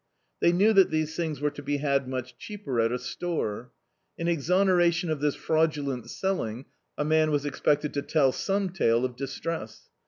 They knew that these things were to be had much cheaper at a store. In excmeration of this fraudu lent selling, a man was expected to tell some tale of distress.